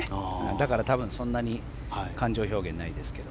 だから多分そんなに感情表現ないですけど。